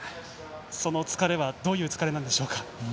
その疲れはどういう疲れなんでしょうか。